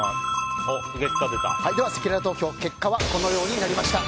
ではせきらら投票結果はこのようになりました。